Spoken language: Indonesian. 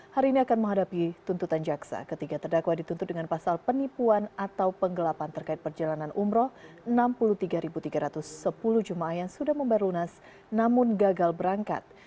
hari ini akan menghadapi tuntutan jaksa ketika terdakwa dituntut dengan pasal penipuan atau penggelapan terkait perjalanan umroh enam puluh tiga tiga ratus sepuluh jemaah yang sudah membalunas namun gagal berangkat